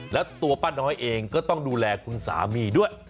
แล้วตัวป้าน้อยเองก็ต้องดูแลคุณสามีด้วย